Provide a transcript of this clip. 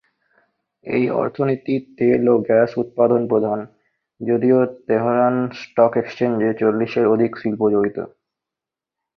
এই অর্থনীতি তেল ও গ্যাস উৎপাদন প্রধান, যদিও তেহরান স্টক এক্সচেঞ্জে চল্লিশের অধিক শিল্প জড়িত।